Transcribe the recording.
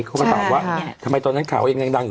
เขาก็ตอบว่าใช่ค่ะทำไมตอนนั้นข่าวยังยังดังอยู่